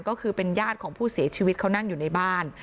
ก็คือเป็นญาติของผู้เสียชีวิตเขานั่งอยู่ในบ้าน